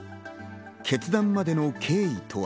決断までの経緯とは？